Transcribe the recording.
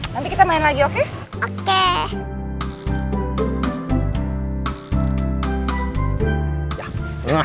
nanti kita main lagi oke